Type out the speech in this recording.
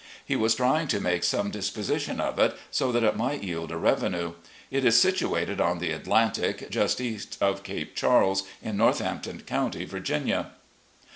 He was trying to make some disposition of it, so that it might yield a revenue. It is situated on the Atlantic, just east of Cape Charles, in Northampton County, Virginia.